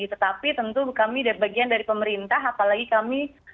tetapi tentu kami bagian dari pemerintah apalagi kami